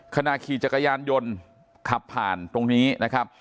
คณะขี่จักรยานยนต์ขับผ่านตรงนี้